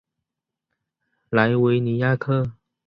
莱维尼亚克。